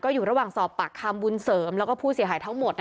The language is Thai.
อยู่ระหว่างสอบปากคำบุญเสริมแล้วก็ผู้เสียหายทั้งหมด